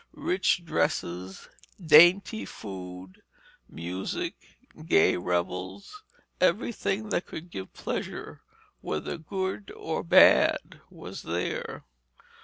Rich dresses, dainty food, music, gay revels, everything that could give pleasure, whether good or bad, was there.